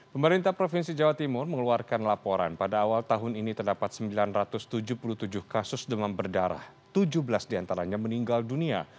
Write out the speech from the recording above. pemerintah provinsi jawa timur mengeluarkan laporan pada awal tahun ini terdapat sembilan ratus tujuh puluh tujuh kasus demam berdarah tujuh belas diantaranya meninggal dunia